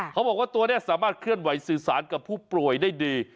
เขาบอกว่าตัวนี้สามารถเคลื่อนไหวสื่อสารกับผู้ป่วยได้ดี